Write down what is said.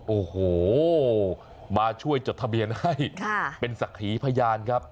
โอ้โหมาช่วยจดทะเบียนให้เป็นศักดิ์ขีพยานครับ